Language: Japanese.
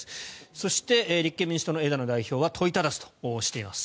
そして、立憲民主党の枝野代表は問いただすとしています。